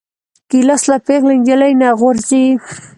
ګیلاس له پېغلې نجلۍ نه غورځي.